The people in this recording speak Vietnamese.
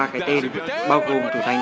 ba cái tên bao gồm thủ thành